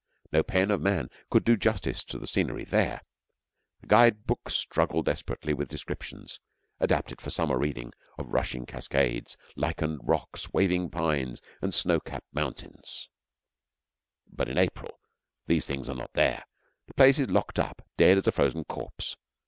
No pen of man could do justice to the scenery there. The guide books struggle desperately with descriptions, adapted for summer reading, of rushing cascades, lichened rocks, waving pines, and snow capped mountains; but in April these things are not there. The place is locked up dead as a frozen corpse.